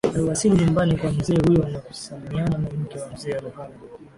Aliwasili nyumbani kwa mzee huyo na kusalimiana na mke wa mzee Ruhala